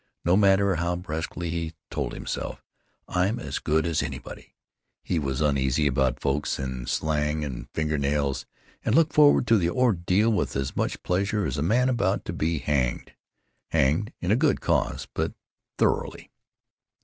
No matter how brusquely he told himself, "I'm as good as anybody," he was uneasy about forks and slang and finger nails, and looked forward to the ordeal with as much pleasure as a man about to be hanged, hanged in a good cause, but thoroughly.